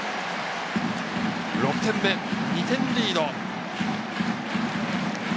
６点目、２点リード。